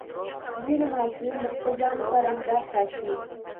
ځینې محصلین د خپل ځان لپاره اهداف ټاکي.